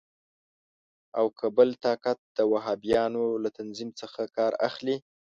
او که بل طاقت د وهابیانو له تنظیم څخه کار اخلي.